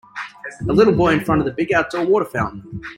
A little boy in front of the big outdoor water fountain.